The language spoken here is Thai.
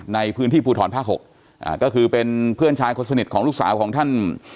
ในพื้นที่ภูทรภาค๖ก็คือเป็นเพื่อนชายคนสนิทของลูกสาวของท่าน